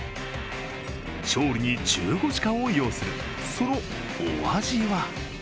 調理に１５時間を要するそのお味は？